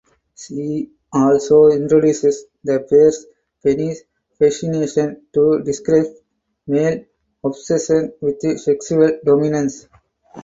She also introduces the phrase "penis fascination" to describe male obsession with sexual dominance.